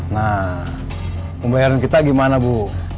nah pembayaran kita gimana bu